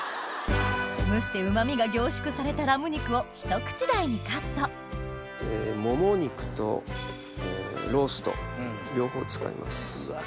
蒸してうま味が凝縮されたラム肉をひと口大にカットモモ肉とロースと両方使います。